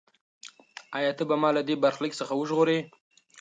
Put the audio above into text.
ایا ته به ما له دې برخلیک څخه وژغورې؟